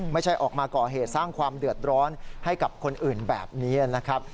ไม่ใช่ออกมาก่อเหตุสร้างความเดือดร้อนให้กับคนอื่นแบบนี้นะครับ